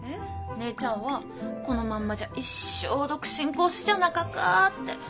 姉ちゃんはこのまんまじゃ一生独身コースじゃなかかって。